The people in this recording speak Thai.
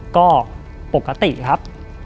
ก็ปกติครับ